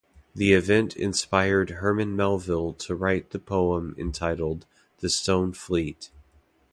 The event inspired Herman Melville to write the poem entitled, "The Stone Fleet".